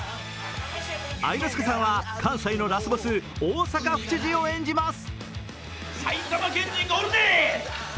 愛之助さんは関西のラスボス・大阪府知事を演じます。